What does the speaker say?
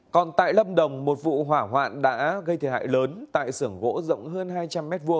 còn tại lâm đồng một vụ hỏa hoạn đã gây thiệt hại lớn tại sưởng gỗ rộng hơn hai trăm linh m hai